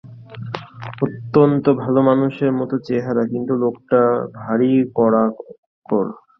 অত্যন্ত ভালোমানুষের মতো চেহারা, কিন্তু লোকটা ভারি কড়াক্কড়।